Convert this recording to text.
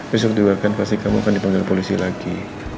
besok juga kan pasti kamu akan dipanggil polisi lagi